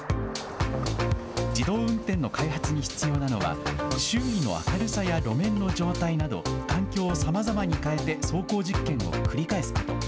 自動運転の開発に必要なのは、周囲の明るさや路面の状態など、環境をさまざまに変えて走行実験を繰り返すこと。